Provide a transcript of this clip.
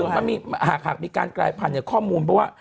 ซึ่งมันมีหากมีการปฏิบัติภัณฑ์ข้อมูลบอกว่า